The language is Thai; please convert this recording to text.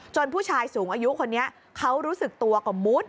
ผู้ชายสูงอายุคนนี้เขารู้สึกตัวก็มุด